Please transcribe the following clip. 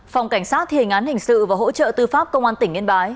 phòng cảnh sát thì hình án hình sự và hỗ trợ tư pháp công an tỉnh yên bái